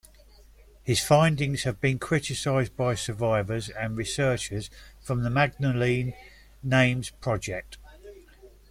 His findings have been criticised by survivors and researchers from the Magdalene Names project.